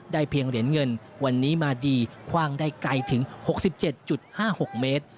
เพียงเหรียญเงินวันนี้มาดีคว่างได้ไกลถึง๖๗๕๖เมตร